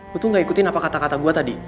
aku tuh gak ikutin apa kata kata gue tadi